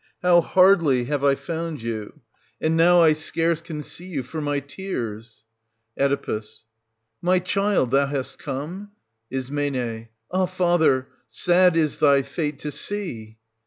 How hardly have I found you ! and now I scarce can see you for my tears. Oe. My child, thou hast come ? Is. Ah, father, sad is thy fate to see